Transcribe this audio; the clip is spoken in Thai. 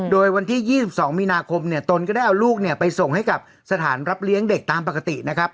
โดยวันที่๒๒มีนาคมเนี่ยตนก็ได้เอาลูกเนี่ยไปส่งให้กับสถานรับเลี้ยงเด็กตามปกตินะครับ